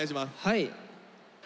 はい。